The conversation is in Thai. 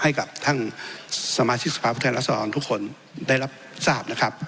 ให้กับท่างสมาชิกสภาพุทธแหละสหรัฐทุกคนได้รับทราบนะครับ